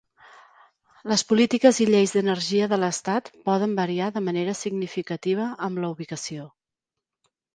Les polítiques i lleis d'energia de l'estat poden variar de manera significativa amb la ubicació.